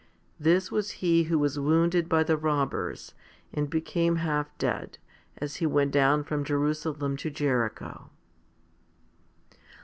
This was he who was wounded by the robbers, and became half dead, as he went down from Jerusalem to Jericho* 8.